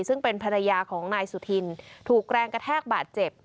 ซึ่งเป็นภรรยาของนายสุธินถูกแรงกระแทกบาดเจ็บ